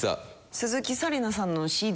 鈴木紗理奈さんのＣＤ